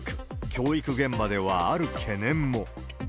教育現場ではある懸念も。